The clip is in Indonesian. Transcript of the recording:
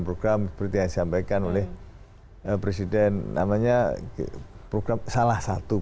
program seperti yang disampaikan oleh presiden namanya program salah satu